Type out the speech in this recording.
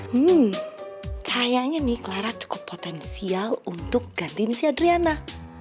hmm kayaknya nih clara cukup potensial untuk gantiin si adriana